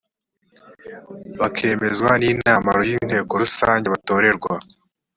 bakemezwan inama y inteko rusange batorerwa